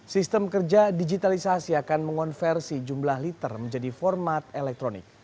sistem kerja digitalisasi akan mengonversi jumlah liter menjadi format elektronik